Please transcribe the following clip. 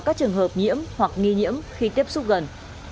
các trường hợp nhiễm hoặc nghi nhiễm khi tiếp xúc gần